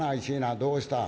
どうしたん？」。